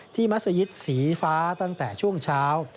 มัศยิตสีฟ้าตั้งแต่ช่วงเช้า